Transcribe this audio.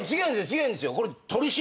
違うんですよ。